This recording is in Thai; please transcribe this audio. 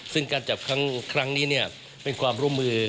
ซึ่งการจับครั้งนี้เป็นความร่วมมือ